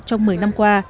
trong một mươi năm qua